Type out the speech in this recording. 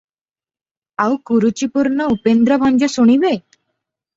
ଆଉ କୁରୁଚିପୂର୍ଣ୍ଣ ଉପେନ୍ଦ୍ରଭଞ୍ଜ ଶୁଣିବେ?